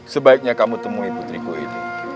sebaiknya kamu temui putriku ini